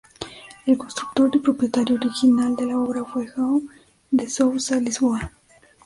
El constructor y propietario original de la obra fue João de Souza Lisboa.